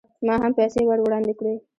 ما هم پیسې ور وړاندې کړې.